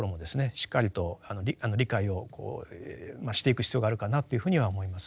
しっかりと理解をしていく必要があるかなというふうには思います。